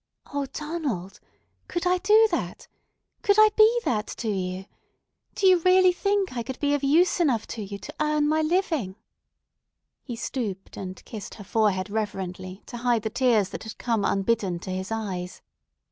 "O Donald, could I do that? Could I be that to you? Do you really think I could be of use enough to you to earn my living?" He stooped and kissed her forehead reverently to hide the tears that had come unbidden to his eyes.